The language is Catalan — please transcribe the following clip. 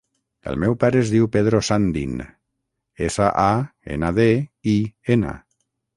El meu pare es diu Pedro Sandin: essa, a, ena, de, i, ena.